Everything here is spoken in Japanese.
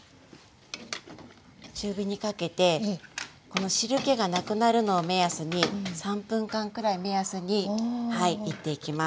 中火にかけてこの汁けがなくなるのを目安に３分間くらい目安にいっていきます。